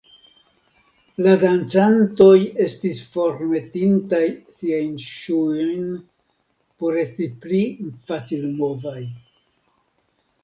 La dancantoj estis formetintaj siajn ŝuojn por esti pli facilmovaj.